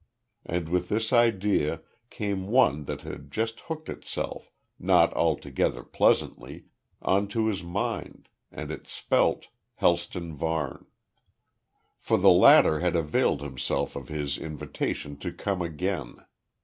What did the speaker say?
And with this idea came one that had just hooked itself, not altogether pleasantly, on to his mind and it spelt Helston Varne. For the latter had availed himself of his invitation to "come again."